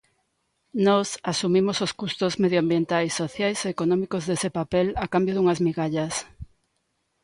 Nós asumimos os custos medioambientais, sociais e económicos dese papel a cambio dunhas migallas.